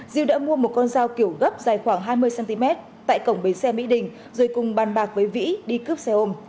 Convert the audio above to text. diễu đã mua một con dao kiểu gấp dài khoảng hai mươi cm tại cổng bến xe mỹ đình rồi cùng bàn bạc với vĩ đi cướp xe ôm